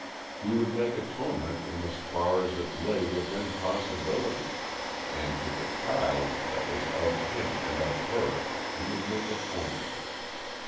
He would make atonement in as far as it lay within possibility and to the child that was of him and of her he would make atonement.